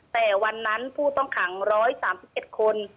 แต่วันนั้นผู้ต้องขัง๑๓๗คน